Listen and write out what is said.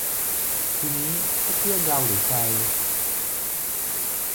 ทีนี้ถ้าเพื่อนเราหรือใคร